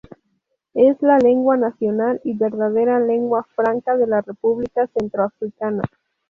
Es la lengua nacional y verdadera lengua franca de la República Centroafricana.